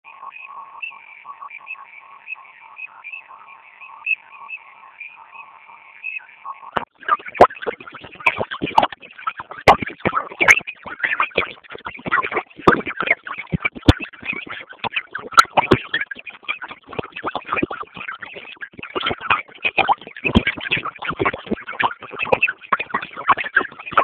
د دال دانه د څه لپاره وکاروم؟